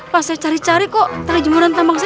pas saya cari cari kok tanya jemuran tambang saya